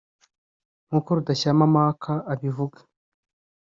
nk’uko Rudashyama Marc abivuga